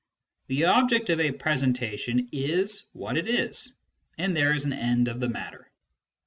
The object of a presentation is what it is, and there is an end of the matter.